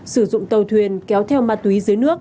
sử dụng tàu thuyền kéo theo ma túy